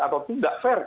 atau tidak fair